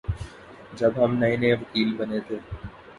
جب ہم نئے نئے وکیل بنے تھے